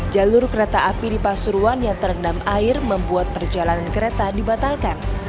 jalur kereta api di pasuruan yang terendam air membuat perjalanan kereta dibatalkan